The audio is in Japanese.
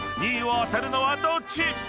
［２位を当てるのはどっち⁉］